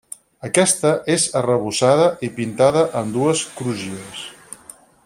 Aquesta és arrebossada i pintada, amb dues crugies.